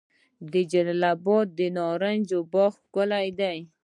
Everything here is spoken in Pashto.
د جلال اباد د نارنج باغونه ښکلي دي.